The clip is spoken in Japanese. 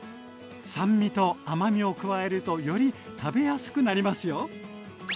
酸味と甘みを加えるとより食べやすくなりますよ。